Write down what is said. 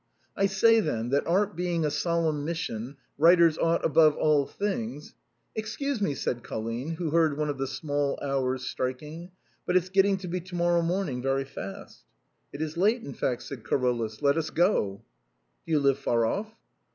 " I say, then, that art being a solemn mission, writers ought, above all things —"" Excuse me," said Colline, who heard one of the small hours striking, " but it's getting to be to morrow morning very fast." A BOHEMIAN " AT HOME." 137 " It is late, in fact," said Carolus ;" let us go." "Do you live far off?"